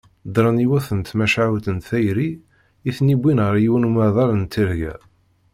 Ddren yiwet n tmacahut n tayri i ten-yewwin ɣer yiwen umaḍal n tirga.